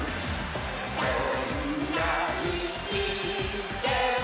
「どんなみちでも」